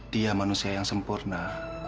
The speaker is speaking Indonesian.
dia manusia yang sempurna